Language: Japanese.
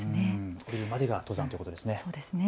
下りるまでが登山ということですね。